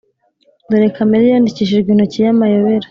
dore kamere yandikishijwe intoki y'amayobera,